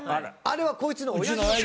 あれはこいつの親父の。